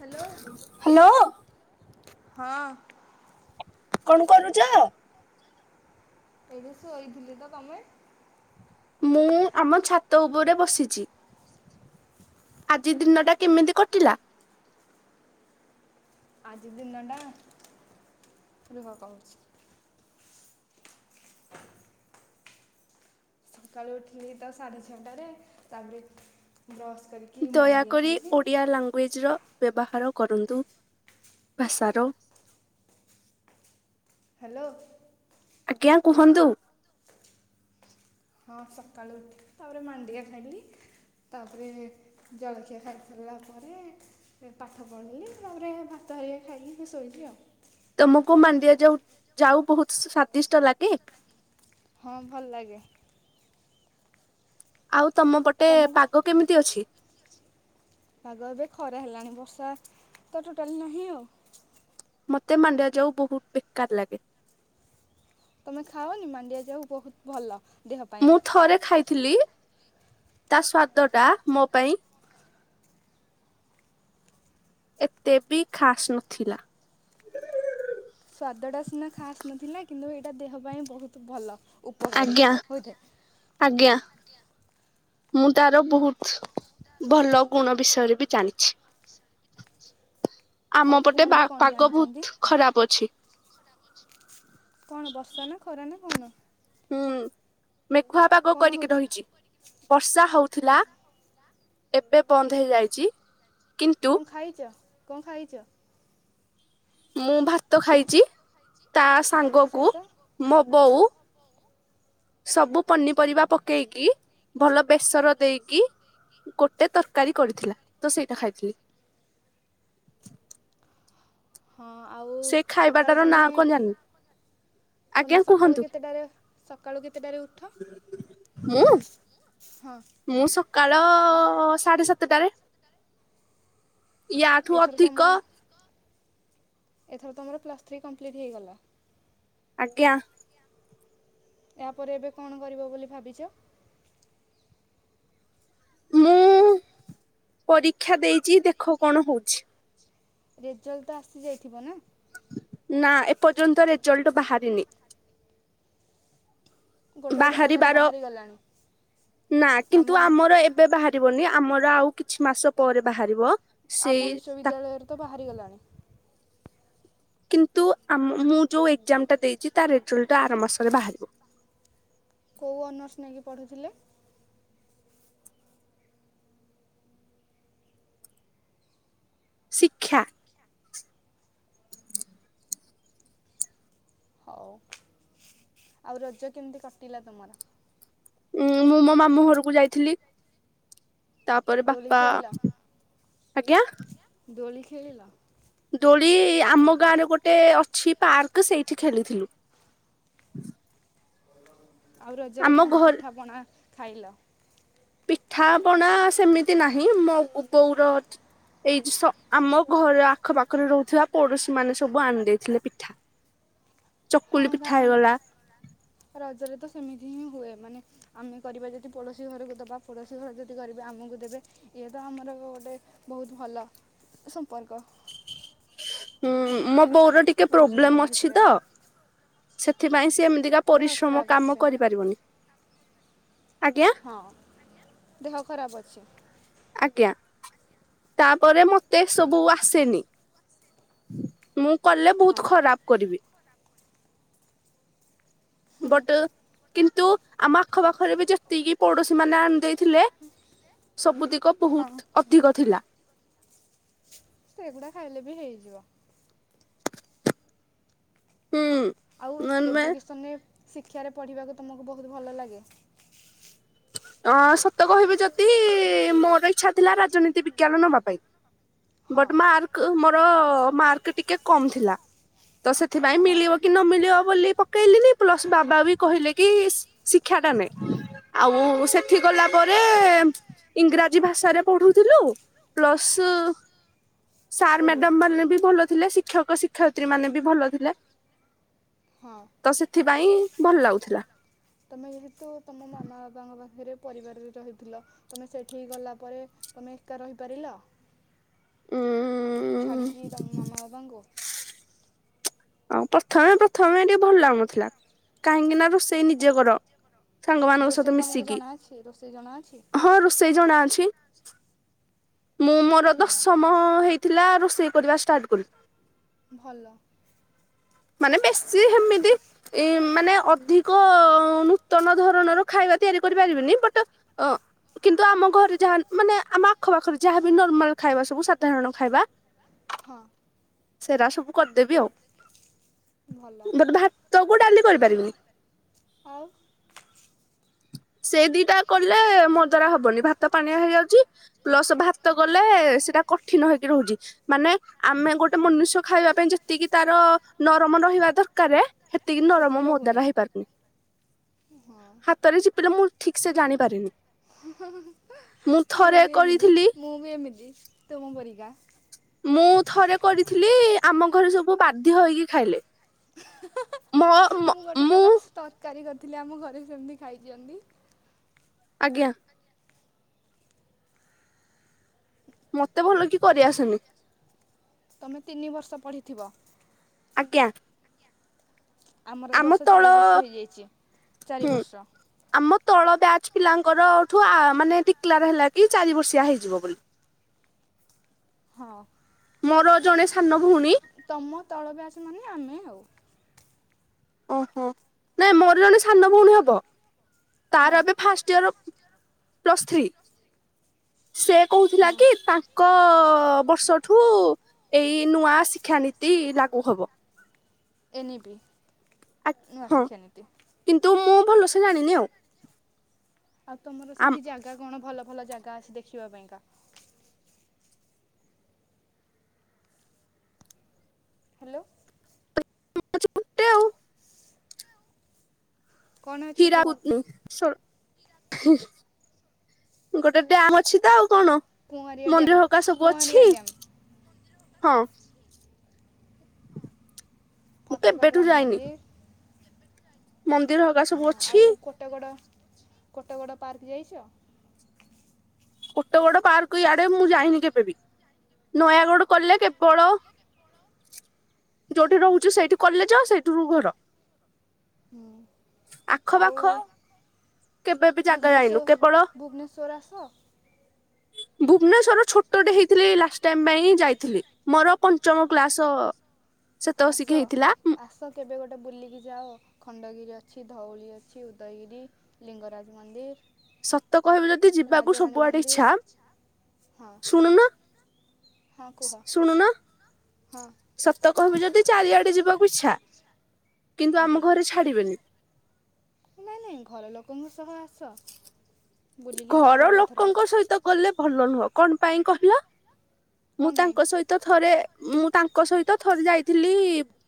Hello. Hello. ହଁ। କଣ କରୁଚ? ଏଇଟି ଶୋଇଥିଲି ତ ତମେ? ମୁଁ ଆମ ଛାତ ଉପରେ ବସିଛି। ଆଜି ଦିନଟା କେମିତି କଟିଲା? ଆଜି ଦିନ ଟା ରୁହ କହୁଛି। ସକାଳୁ ଉଠିଲି ତ ସାଢେ ଛଅ ଟାରେ। ତାପରେ ବ୍ରସ୍ କରିକି ମାଣ୍ଡିଆ ଦୟାକରି ଖାଇଲି। ଓଡିଆ ଲାଙ୍ଗୁଏଜର ବ୍ୟବହାର କରନ୍ତୁ ଭାଷାର। ହ୍ୟାଲୋ। ଆଜ୍ଞା କୁହନ୍ତୁ। ହଁ ସକାଳୁ ଉଠିଲି। ତାପରେ ମାଣ୍ଡିଆ ଖାଇଲି। ତାପରେ ଜଳଖିଆ ଖାଇ ସାରିଲା ପରେ ପାଠ ପଢିଲି ତାପରେ ଭାତ ହେରିକା ଖାଇଲି ଶୋଇଲି ଆଉ। ତମକୁ ମାଣ୍ଡିଆ ଯାଉ ଯାଉ ବହୁତ ସ୍ଵାଦିଷ୍ଟ ଲାଗେ। ହଁ ଭଲ ଲାଗେ। ଆଉ ତମ ପଟେ ତମକୁ? ପାଗ କେମିତି ଅଛି? ପାଗ ଏବେ ଖରା ହେଲାଣି। ବର୍ଷା ତ ଟୋଟାଲ ନାହିଁ ଆଉ। ମତେ ମାଣ୍ଡିଆ ଯାଉ ବହୁତ ବେକାର ଲାଗେ। ତମେ ଖାଅନି ମାଣ୍ଡିଆ ଯାଉ ବହୁତ ଭଲ। ଦେହ ପାଇଁ ମୁଁ ଥରେ ଖାଇଥିଲି ତା ସ୍ଵାଦ ଟା ମୋ ପାଇଁ ଏତେ ବି ଖାସ୍ ନଥିଲା। ସ୍ଵାଦଟା ସିନା ଖାସ୍ ନଥିଲା। କିନ୍ତୁ ଏଇଟା ଦେହ ପାଇଁ ବହୁତ ଭଲ। ଉପକାରୀ ଆଜ୍ଞା ହୋଇଥାଏ। ଆଜ୍ଞା। ମୁଁ ତାର ବହୁତ ଭଲ ଗୁଣ ବିଷୟରେ ବି ଜାଣିଛି। ହଉ କୁହନ୍ତୁ କଣ ଜାଣିଛନ୍ତି? ପଛି କଣ ବର୍ଷା ନା ଖରା ନା କଣ? ହୁଁ ମେଘୁଆ ପାଗ କଣ କରିକି ହେଉଛି ରହିଛି ବର୍ଷା ଓ ହଉଥିଲା ଏବେ ବନ୍ଦ ହେଇଯାଇଛି କିନ୍ତୁ କଣ ଖାଇଛ କଣ ଖାଇଛ? ମୁଁ ଭାତ ଖାଇଛି ତା ଭାତ ସାଙ୍ଗକୁ ସହିତ ମୋ ବୋଉ ସବୁ ପନିପରିବା ପକେଇକି ଭଲ ବେସର ଦେଇକି ଗୋଟେ ତରକାରୀ କରିଥିଲା ତ ସେଇଟା ଖାଇଥିଲି। ହଁ ଆଉ ସେ ସକାଳୁ ଖାଇବାଟାର ତମେ ନାଁ କଣ ଜାଣିନି ତୁମେ ଆଜ୍ଞା ସକାଳୁ କୁହନ୍ତୁ କେତେଟାରେ ସକାଳୁ କେତେଟାରେ ଉଠ? ମୁଁ ହଁ। ମୁଁ ସକାଳ ସାଢେ ସାତଟାରେ। ୟାଠୁ ଏଥର ଅଧିକ ତମର ଏଥର ତମର ପ୍ଲସ୍ ଥ୍ରୀ କମ୍ପ୍ଲିଟ୍ ହେଇଗଲା। ଆଜ୍ଞା। ତାପରେ ଏବେ କଣ କରିବ ବୋଲି ଭାବିଛ? ମୁଁ ପରୀକ୍ଷା ଦେଇଛି ଦେଖ କଣ ହଉଛି। ରେଜଲ୍ଟ ତ ଆସିଯାଇଥିବ ନା? ନା ଏପର୍ଯ୍ୟନ୍ତ ରେଜଲ୍ଟ ବାହାରିନି। ଗୋଟେ ଗୋଟେ ଜାଗାରେ ବାହାରିବାର ବାହାରି ଗଲାଣି ନା ଆମ କିନ୍ତୁ ଆମର ଏ ଏବେ ବାହାରିବନି ଆମର ଆଉ କିଛି ମାସ ପରେ ବାହାରିବ। ସେଇ ଆମ ତା ବିଶ୍ଵବିଦ୍ୟାଳୟରେ ତ ବାହାରି ଗଲାଣି। କିନ୍ତୁ ଆମ- ମୁଁ ଯେଉଁ ଏଗଜାମଟା ଦେଇଛି ତା ରେଜଲ୍ଟ ଆର ମାସରେ ବାହାରିବ। କୋଉ ଅନର୍ସ ନେଇକି ପଢ଼ୁଥିଲେ? ଶିକ୍ଷା। ହଉ। ଆଉ ରଜ କେମିତି କଟିଲା ତମର? ଉଁ ମୁଁ ମୋ ମାମୁଁ ଘରକୁ ଯାଇଥିଲି। ତାପରେ ଦୋଳି ବାପା ଖେଳିଲ ଆଜ୍ଞା ଦୋଳି ଖେଳିଲ? ଦୋଳି ଆମ ଗାଁରେ ଗୋଟେ ଅଛି ପାର୍କ ସେଇଠି ଖେଳିଥିଲୁ। ଆଉ ରଜରେ ଆମ କଣ ଘର ପିଠାପଣା ଖାଇଲ? ପିଠାପଣା ସେମିତି ନାହିଁ ମୋ ବୋଉର ଏଇ ଯୋ ସ-ଆମ ଘର ଆଖପାଖରେ ରହୁଥିବା ପଡୋଶୀ ମାନେ ସବୁ ଆଣିଦେଇଥିଲେ ପିଠା। ହଁ ଚକୁଳି ପିଠା ଗାଁରେ। ହେଇଗଲା ରଜରେ ତ ସେମିତି ହିଁ ହୁଏ ମାନେ ଆମେ କରିବା ଯଦି ପଡୋଶୀ ଘରକୁ ଦବା ପ୍ ପଡ଼ୋଶୀ ଘର ଯଦି କରିବେ ଆମକୁ ଦେବେ ଇଏ ତ ଆମର ଗୋଟେ ବହୁତ ଭଲ ସମ୍ପର୍କ। ହୁଁ ଆମ ବୋଉର ଟିକେ ପଡ଼ୋଶୀମାନଙ୍କ ପ୍ରୋବ୍ଲେମ ଅଛି ଭିତରେ ତ। ସେଥିପାଇଁ ସେ ଏମିତିକା ଦେହ ପରିଶ୍ରମ ଖରାପ କାମ ଅଛି କରିପାରିବନି। ଆଜ୍ଞା। ହଁ ଦେହ ଖରାପ ଅଛି। ଆଜ୍ଞା। ତାପରେ ମତେ ଏସବୁ ଆସେନି। ମୁଁ କଲେ ହଁ ବହୁତ ଖରାପ କରିବି। ବଟ କିନ୍ତୁ ଆମ ଆଖପାଖରେ ବି ଯେତିକି ପଡୋଶୀ ମାନେ ଆଣିଦେଇଥିଲେ ସବୁ ତିକ ହଁ ବୁହୁତ ଅଧିକ ଥିଲା। ସେଗୁଡା ଖାଇଲେ ବି ହେଇଯିବ। ହୁଁ। ଆଉ ମାନେ ଏଜୁକେସନରେ ଶିକ୍ଷାରେ ପଢ଼ିବାକୁ ତୁମକୁ ବହୁତ ଭଲ ଲାଗେ? ଅଁ ସତ କହିବି ଯଦି- ମୋର ଇଚ୍ଛା ଥିଲା ରାଜନୀତି ବିଜ୍ଞାନ ନବା ପାଇଁ [inaudible] ବଟ ମାର୍କ ମୋର- ମାର୍କ ଟିକେ କମ୍ ଥିଲା। ତ ସେଥିପାଇଁ ହଁ ମିଳିବ କି ନ ମିଳିବ ବୋଲି ପକ୍ କହିଲିନି ପ୍ଲସ ବାବା ବି କହିଲେ କି ଶିକ୍ଷା ଟା ନେ ଆଉ ସେଠି ଗଲା ପରେ ଇଂରାଜୀ ଭାଷାରେ ପଢୁଥିଲୁ ପ୍ଲସ୍ ସାର୍ ଓଡ଼ିଆ ମ୍ୟାଡାମ ମାନେ ବି ଭଲ ଥିଲେ ଶିକ୍ଷକ ଶିକ୍ଷୟତ୍ରୀ ମାନେ ବି ଭଲ ଥିଲେ। ହଁ। ତ ସେଥିପାଇଁ ଭଲ ଲାଗୁଥିଲା। ତମେ ଯେହେତୁ ତମ ମାମା ବାପାଙ୍କ ପାଖରେ ପରିବାରରେ ରହିଥିଲ। ତମେ ସେଇଠିକି ଗଲା ପରେ ତମେ ଏକା ରହିପାରିଲ? ଉଁ ଉ। ଛାଡ଼ିକି ତମ ମାମା ବାବାଙ୍କୁ। ହଁ ପ୍ରଥମେ ପ୍ରଥମେ ଟିକେ ଭଲ ଲାଗୁନଥିଲା କାହିଁକି ନା ରୋଷେଇ ନିଜେ କର। ସାଙ୍ଗମାନଙ୍କ ସହିତ ରୋଷେଇ ତୁମକୁ ମିଶିକି ଜଣାଅଛି ରୋଷେଇ ଜଣାଅଛି ହଁ ରୋଷେଇ ଜଣା ଅଛି, ମୁଁ ମୋର ହଁ ଦଶମ ହେଇ ଥିଲା ରୋଷେଇ କରିବା ଷ୍ଟାର୍ଟ କଲି। ଭଲ। ମାନେ ବେଶୀ ହେମିତି ଏ ମାନେ ଅଧିକ ନୂତନ ଧରଣର ଖାଇବା ତିଆରି କରିପାରିବିନି ବଟ ଅ କିନ୍ତୁ ଆମ ଘରେ ଯାହା ମାନେ ଆମ ଆଖପାଖରେ ଯାହାବି ନର୍ମାଲ ଖାଇବା ସବୁ ସାଧାରଣ ଖାଇବା ହଁ। ସେରା ସବୁ କରିଦେବି ଆଉ। ଭଲ। ବଟ୍ ଭାତ କୁ ଡାଲି କରିପାରିବିନି। ଆଉ ସେ ଦିଟା କଲେ ମୋ ଦ୍ୱାରା ହବନି ଭାତ ପାଣିଆ ହେଇଯାଉଛି। ପ୍ଲସ ଭାତ କଲେ ସେଟା କଠିନ ହେଇକି ରହୁଛି। ମାନେ ଆମେ ଗୋଟେ ମନୁଷ୍ୟ ଖାଇବା ପାଇଁ ଯେତିକି ତାର ନରମ ରହିବା ଦରକାରେ ସେତିକି ନରମ ମୋ ଦ୍ୱାରା ହେଇପାରୁନି। ହଁ। ହାତରେ ଚିପିଲେ ମୁଁ ଠିକ୍ ସେ ଜାଣିପାରିନି। [unintelligible] ମୁଁ ବି ଏମିତି କରିଥିଲି ମୁଁ ବି ଏମିତି ତୁମ ପରିକା। ମୁଁ ଥରେ କରିଥିଲି ଆମ ଘରେ ସବୁ ବାଧ୍ୟ ହେଇକି ଖାଇଲେ। ମୋ ମୁଁ ଗୋଟେ ଥର ତରକାରୀ କରିଥିଲି ଆମ ଘରେ ସେମିତି ଖାଇଛନ୍ତି। ଆଜ୍ଞା। ମତେ ଭଲକି କରିଆସେନି। ତମେ ତିନି ବର୍ଷ ପଢ଼ିଥିବ? ଆଜ୍ଞା। ଆମର ଏ ଆମ ବର୍ଷ ତଳ ଚାରି ବର୍ଷ ହେଇଯାଇଛି ଚାରି ହୁଁ ବର୍ଷ। ଆମ ତଳ ବ୍ୟାଚ୍ ପିଲାଙ୍କରଠୁ ମାନେ ଡିକ୍ଲାର ହେଲା କି ଚାରି ବର୍ଷିଆ ହେଇଯିବ ବୋଲି। ହଁ। ମୋର ଜଣେ ସାନ ଭଉଣୀ ତମ ତଳ ବ୍ୟାଚ୍ ମାନେ ଆମେ ଆଉ। ଓହୋ ନାଇଁ ମୋର ଜଣେ ସାନ ଭଉଣୀ ହବ ହଁ ତାର ଏବେ ଫାଷ୍ଟ ଇୟର ପ୍ଲସ ଥ୍ରି। ସେ କହୁଥିଲା ହଁ କି ତାଙ୍କ ବର୍ଷଠୁ ଏଇ ନୂଆ ଶିକ୍ଷା ନୀତି ଲାଗୁ ହବ। ଏନ ବିି ଆ ନୂଆ ହଁ ଶିକ୍ଷା ନୀତି। କିନ୍ତୁ ମୁଁ ଭଲସେ ଜାଣିନି ଆଉ। ଆଉ ତମର ସେଇଠି ଜାଗା କଣ ଭଲ ଭଲ ଜାଗା ଅଛି ଦେଖିବା ପାଇଁକା? ହ୍ୟାଲୋ ଆମଟେ ଆଉ କଣ ଅଛି କୁହ? ଚିରାକୁଦ ସ ହିଁ ଗୋଟେ ଡ୍ୟାମ ଅଛି ତ ଆଉ କଣ। କୁଆଁରିଆ ଡ୍ୟାମ୍ ମନ୍ଦିର ହେରିକା ସବୁ କୁଆଁରିଆ ଅଛି ଡ୍ୟାମ୍ ହଁ। ମୁଁ ଫତେହଗଡ଼ କେବେଠୁ ରାମ ଯାଇନି ମନ୍ଦିର। ମନ୍ଦିର ହକା ସବୁ ହଁ ଅଛି ଆଉ କୋଟଗଡ଼ କୋଟଗଡ଼ ପାର୍କ ଯାଇଛ? ଗୋଟେ ବଡ ପାର୍କ ଇଆଡେ ମୁଁ ଯାଇନି କେବେ ବିି। ନୟାଗଡ କଲେ କେବଳ ଯୋଉଠି ରହୁଛି ସେଇଠି କଲେଜ ସେଇଠୁରୁ ଘର। ହୁଁ ଆଖ ଆଉ ପାଖ କେବେ ବି ଜାଗା ଭୁବନେଶ୍ୱର ଯାଇନୁ କେବଳ ଭୁବନେଶ୍ୱର ଆସ? ଭୁବନେଶ୍ୱର ଛୋଟଟେ ହେଇଥିଲି ଏଇ ଲାଷ୍ଟ ଟାଇମ୍ ପାଇଁ ହିଁ ଯାଇଥିଲି। ମୋର ପଞ୍ଚମ କ୍ଲାସ ସେତକ ଶିଖି ଆସ ହେଇଥିଲା ଆସ ତ କେବେ ଗୋଟେ ବୁଲିକି ଯାଅ ଖଣ୍ଡଗିରି ଅଛି। ଧଉଳି ଅଛି ଉଦୟଗିରି ଲିଙ୍ଗରାଜ ମନ୍ଦିର। ସତ କହିବି ଯଦି ଯିବାକୁ ରାଜାରାଣୀ ସବୁଆଡେ ମନ୍ଦିର ଇଚ୍ଛା। ହଁ ଶୁଣୁନ? ହଁ କୁହ ଶୁଣୁନ? ହଁ ସତ କହିବି ଯଦି ଚାରିଆଡେ ଯିବାକୁ ଇଚ୍ଛା। କିନ୍ତୁ ଆଜ୍ଞା ଆମ ଘରେ ଛାଡିବେନି। ନାଇଁ ନାଇଁ ଘର ଲୋକଙ୍କ ସହ ଆସ। ବୁଲିକି ଯାଅ ଘର ଗୋଟେ ଥର ଲୋକଙ୍କ ସହିତ ଗଲେ ଭଲ ନୁହଁ କଣ ପାଇଁ କହିଲ ମୁଁ କଣ ପାଇଁ ତାଙ୍କ ସହିତ ତ ଥରେ ମୁଁ ତାଙ୍କ ସହିତ ଥରେ ଯାଇଥିଲି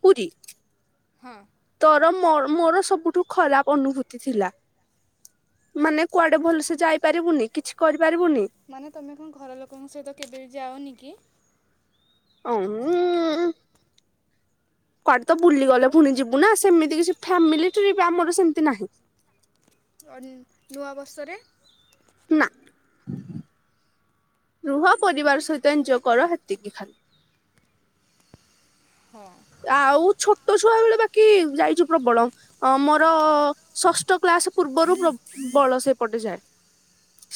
ପୁରୀ। ହଁ। ତୋରୋ ମୋ ମୋର ସବୁଠୁ ଖରାପ ଅନୁଭୂତି ଥିଲା। ମାନେ କୁଆଡେ ଭଲସେ ଯାଇପାରିବୁନି। କିଛି କରିପାରିବୁନି। ମାନେ ତମେ କଣ ଘର ଲୋକଙ୍କ ସହିତ କେବେ ବି ଯାଅନି କି? ଅ ଉଁ କୁଆଡେ ତ ବୁଲିଗଲେ ହ୍ୟାଲୋ ପୁଣି ଯିବୁ ନା ସେମିତି କିଛି ଫ୍ୟାମିଲିି ଟ୍ରିପ୍ ଆମର ସେମିତି ନାହିଁ। ଅନ୍ ନୂଆବର୍ଷରେ। ନା ରୁହ ପରିବାର ସହିତ ଏଞ୍ଜୟ୍ କର ହେତିକି ଖାଲି। ହଁ ଆଉ ଛୋଟ ଛୁଆ ବେଳେ ବାକି ଯାଇଛୁ ପ୍ରବଳ। ଅ ମୋର ଷଷ୍ଠ କ୍ଳାସ ପୂର୍ବରୁ ବ ବଳ ସେପଟେ ଯାଏ।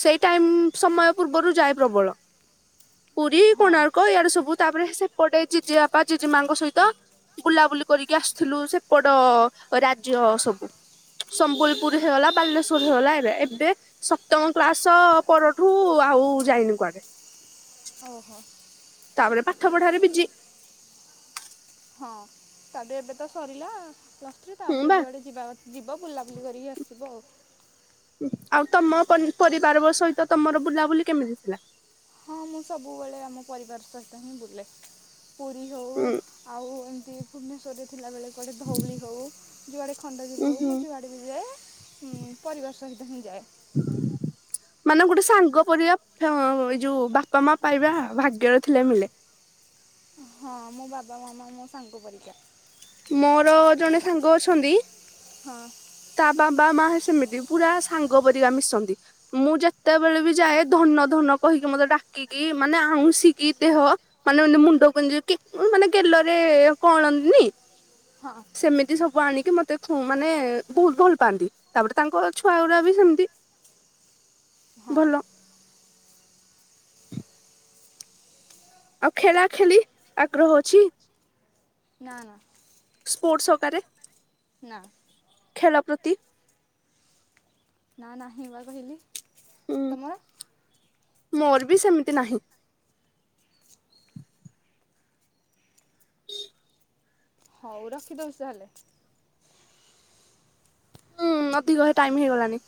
ସେଇ ଟାଇମ ସମୟ ପୂର୍ବରୁ ଯାଏ ପ୍ରବଳ। ପୁରୀ ହଁ କୋଣାର୍କ ଇଆଡେ ସବୁ ତାପରେ ସେପଟେ ଜିଯେ ବାପା ଜେଜି ମାଙ୍କ ସହିତ ତ ବୁଲାବୁଲି କରିକି ଆସିଥିଲୁ ସେପଟ ରାଜ୍ୟ ସବୁ। ସମ୍ବଲପୁର ହେଇଗଲା ବାଲେଶ୍ୱର ହେଇଗଲା ଏବେ ଏବେ ସପ୍ତମ କ୍ଲାସ ପରଠୁ ଆଉ ଯାଇନି କୁଆଡେ। ଓହୋ। ତାପରେ ପାଠ ପଢାରେ ବିଜି। ହଁ ତାପେ ଏବେ ତ ସରିଲାଉ ପ୍ଲସ୍ ଥ୍ରି ହୁଁ ତାପରେ ବା ଯୁଆଡ଼େ ଯିବା କଥ ଯିବା ବୁଲାବୁଲି କରିକି ଆସିବ ଆଉ। ଆଉ ତମ ପନି ପରିବାର ବ ସହିତ ତମର ବୁଲାବୁଲି କେମିତି ଥିଲା? ହଁ ମୁଁ ସବୁବେଳେ ଆମ ପରିବାର ସହିତ ହିଁ ବୁଲେ। ପୁରୀ ହେଉ ହୁଁ ଆଉ ଏମିତି ଭୁବନେଶ୍ୱରରେ ଥିଲାବେଳେ କୋଉଠି ଧଉଳି ହେଉ। ଯୁଆଡ଼େ ଖଣ୍ଡଗିରି ଉଁ ହେଉ ହୁଁ। ମୁଁ ଯୁଆଡ଼େ ବି ଯାଏ ଉଁ ପରିବାର ସହିତ ହିଁ ଯାଏ। [inaudible] ମାନେ ଗୋଟେ ସାଙ୍ଗ ପରିଆ ଫା ଏଇ ଯୋଉ ବାପା ମା ପାଇବା ଭାଗ୍ୟରେ ଥିଲେ ମିଳେ। ହଁ ମୋ ବାବା ମାମା ମୋ ସାଙ୍ଗ ପରୀକା। ମୋର ଜଣେ ସାଙ୍ଗ ଅଛନ୍ତି। ହଁ। ତା ବାବା ମା ସେମିତି ପୁରା ସାଙ୍ଗ ପରିକା ମିଶନ୍ତି। ମୁଁ ଯେତେବେଳେ ବି ଯାଏ ଧନ ଧନ କହିକି ମତେ, ଡାକିକି ମାନେ ଆଉଁସିକି ଦେହ ମାନେ ମାନେ ମୁଣ୍ଡ କୁଞ୍ଜି କି ମାନେ ଗେଲରେ କଣନ୍ତିନି। ହଁ। ସେମିତି ସବୁ ଆଣିକି ମତେ ଖୁଁ ମାନେ ବହୁତ ଭଲ ପାଆନ୍ତି, ତାପରେ ତାଙ୍କ ଛୁଆ ଗୁରା ବି ସେମିତି। ହଁ। ଭଲ ଆଉ ଖେଳା ଖେଳି ଆଗ୍ରହ ଅଛି? ନା -ନା। ସ୍ପୋର୍ଟସ୍ ଅକାରେ? ନାଁ। ଖେଳ ପ୍ରତି ନା ନାହିଁ ବା କହିଲି, ଉଁ ତମର? ମୋର ବି ସେମିତି ନାହିଁ। ହଉ ରଖିଦଉଛି ତାହେଲେ? ହୁଁ ଅଧିକ ଟାଇମ୍ ହେଇଗଲାଣି।